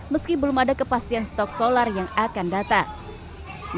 meski belum ada kepastian stok solar yang akan datang